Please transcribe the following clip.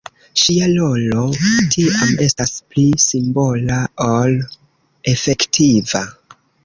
Ŝia rolo tiam estas pli simbola ol efektiva.